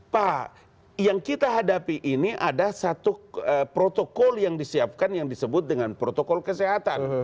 pak yang kita hadapi ini ada satu protokol yang disiapkan yang disebut dengan protokol kesehatan